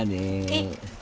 「えっ？